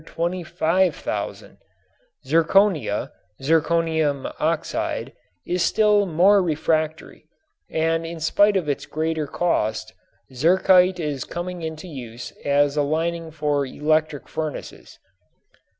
Zirconia (zirconium oxide) is still more refractory and in spite of its greater cost zirkite is coming into use as a lining for electric furnaces.